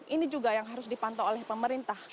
ini juga yang harus dipantau oleh pemerintah